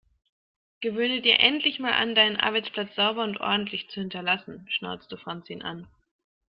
Gewöhne dir endlich mal an, deinen Arbeitsplatz sauber und ordentlich zu hinterlassen, schnauzte Franz ihn an.